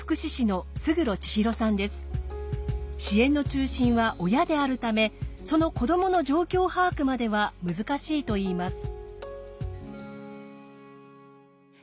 支援の中心は親であるためその子どもの状況把握までは難しいといいます。